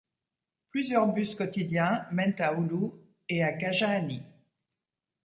Plusieurs bus quotidiens mènent à Oulu et à Kajaani.